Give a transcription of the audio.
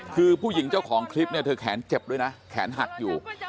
คือผู้หญิงเจ้าของคลิปเนี่ยเธอแขนเจ็บด้วยนะแขนหักอยู่